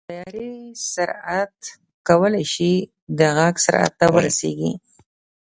د طیارې سرعت کولی شي د غږ سرعت ته ورسېږي.